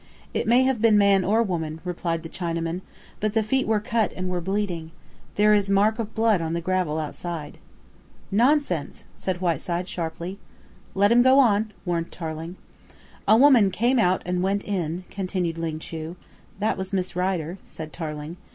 "It may have been man or woman," replied the Chinaman, "but the feet were cut and were bleeding. There is mark of blood on the gravel outside." "Nonsense!" said Whiteside sharply. "Let him go on," warned Tarling. "A woman came in and went out " continued Ling Chu. "That was Miss Rider," said Tarling.